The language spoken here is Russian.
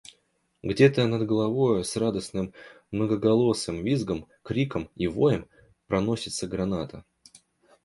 Где-то, над головою, с радостным, многоголосым визгом, криком и воем проносится граната.